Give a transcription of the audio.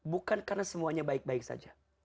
bukan karena semuanya baik baik saja